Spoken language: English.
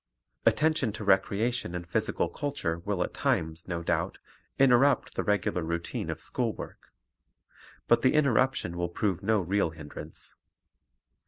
Attention to recreation and physical culture will at times, no doubt, interrupt the regular routine of school A safeguard against Evil work; but the interruption will prove no real hindrance.